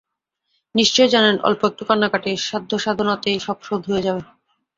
নিশ্চয় জানেন, অল্প একটু কান্নাকাটি-সাধ্যসাধনাতেই সব শোধ হয়ে যাবে।